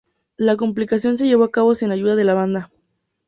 La compilación se llevó a cabo sin ayuda de la banda.